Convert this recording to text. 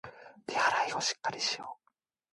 手洗いをしっかりしよう